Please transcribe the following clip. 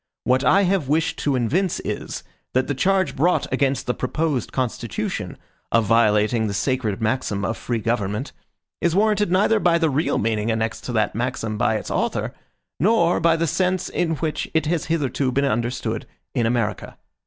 What I have wished to evince is, that the charge brought against the proposed Constitution, of violating the sacred maxim of free government, is warranted neither by the real meaning annexed to that maxim by its author, nor by the sense in which it has hitherto been understood in America.